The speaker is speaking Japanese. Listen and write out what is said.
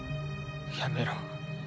やめろ。